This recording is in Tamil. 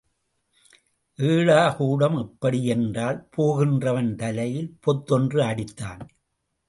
ஏடாகூடம் எப்படி என்றால் போகின்றவன் தலையில் பொத்தென்று அடித்தான்.